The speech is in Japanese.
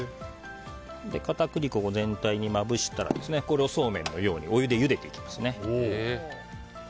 片栗粉を全体にまぶしたらこれをそうめんのようにお湯でゆでていきます。